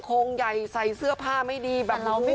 โครงใหญ่ใส่เสื้อผ้าไม่ดีแบบเมาไม่